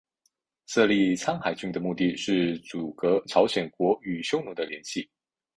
设立苍海郡的目的是阻隔朝鲜国与匈奴的联系。